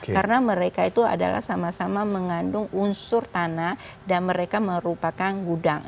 karena mereka itu adalah sama sama mengandung unsur tanah dan mereka merupakan gudang